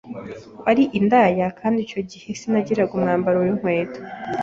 wari indaya kandi icyo gihe sinagiraga umwambaro n’inkweto